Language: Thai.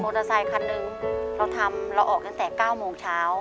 มีมอเตอร์ไซคันหนึ่งเราทำเราออกจาก๙โมงเช้า